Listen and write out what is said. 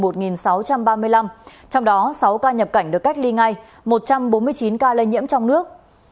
trong đó sáu ca nhập cảnh được cách ly ngay một trăm bốn mươi chín ca lây nhiễm trong nước